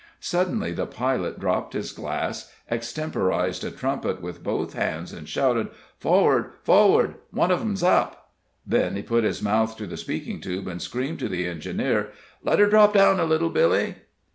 Suddenly the pilot dropped his glass, extemporized a. trumpet with both hands, and shouted: "Forrard forrard! One of 'em's up!" Then he put, his mouth to the speaking tube, and screamed to the engineer: "Let her drop down a little, Billy!"